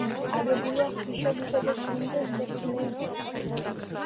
აგებულია ღვთისმშობლისა და წმინდა სტეფანეს სახელზე.